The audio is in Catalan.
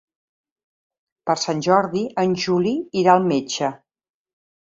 Per Sant Jordi en Juli irà al metge.